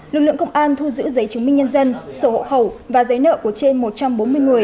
lực lượng công an thu giữ giấy chứng minh nhân dân sổ hộ khẩu và giấy nợ của trên một trăm bốn mươi người